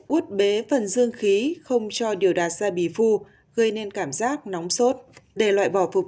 út bế phần dương khí không cho điều đạt xa bì phu gây nên cảm giác nóng sốt để loại bỏ phục